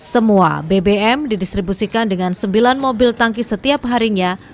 semua bbm didistribusikan dengan sembilan mobil tangki setiap harinya